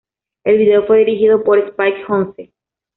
El video fue dirigido por Spike Jonze.